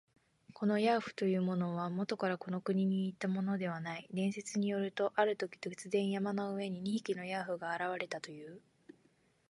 このヤーフというものは、もとからこの国にいたものではない。伝説によると、あるとき、突然、山の上に二匹のヤーフが現れたという。